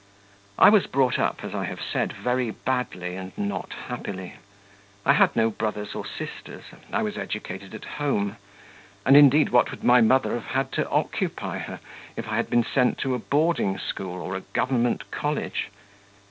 I was brought up, as I have said, very badly and not happily. I had no brothers or sisters. I was educated at home. And, indeed, what would my mother have had to occupy her, if I had been sent to a boarding school or a government college?